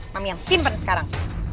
mami yang simpen sekarang